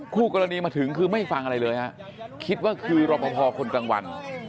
คู่กรณีมาถึงคือไม่ฟังอะไรเลยฮะคิดว่าคือรอปภคนกลางวัน